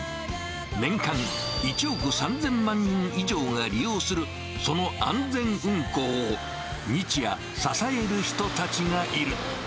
年間１億３０００万人以上が利用する、その安全運行を日夜支える人たちがいる。